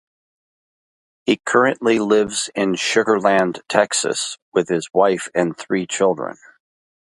He currently lives in Sugar Land, Texas with his wife and three children.